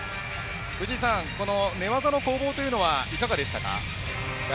藤井さん、寝技の攻防はいかがでしたか。